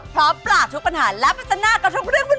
พร้อมปราบทุกปัญหาและพัฒนากับทุกเรื่องวุ่น